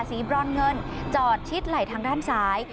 บรอนเงินจอดชิดไหล่ทางด้านซ้าย